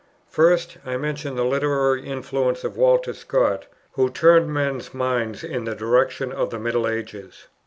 First, I mentioned the literary influence of Walter Scott, who turned men's minds in the direction of the middle ages.